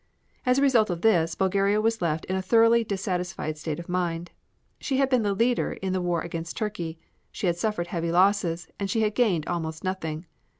As a result of this Bulgaria was left in a thoroughly dissatisfied state of mind. She had been the leader in the war against Turkey, she had suffered heavy losses, and she had gained almost nothing.